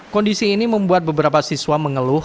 kondisi ini membuat beberapa siswa mengeluh